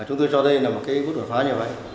chúng tôi cho thấy là một bước đột phá như vậy